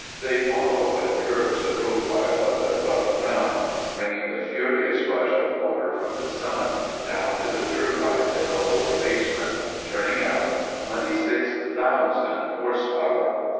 They follow in curves the profile of the rough ground, bringing the furious rush of water from the summit down to the turbines in the lower basement, turning out 26,000 horse power.